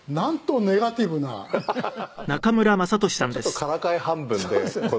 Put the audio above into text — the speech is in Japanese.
「ちょっとからかい半分でこの」